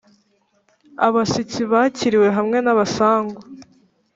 abashyitsi bakiriwe hamwe n’abasangwa